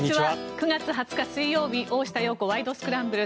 ９月２０日、水曜日「大下容子ワイド！スクランブル」。